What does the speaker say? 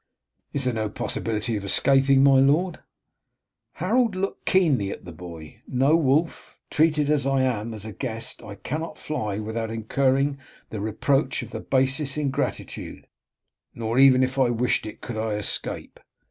"Is there no possibility of escaping, my lord?" Harold looked keenly at the boy. "No, Wulf, treated as I am as a guest I cannot fly without incurring the reproach of the basest ingratitude, nor even if I wished it could I escape.